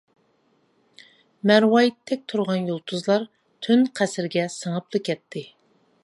مەرۋايىتتەك تۇرغان يۇلتۇزلار، تۈن قەسرىگە سىڭىپلا كەتتى.